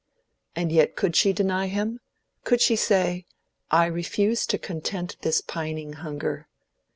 And yet, could she deny him? Could she say, "I refuse to content this pining hunger?"